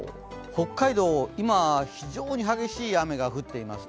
北海道、今は非常に激しい雨が降っています。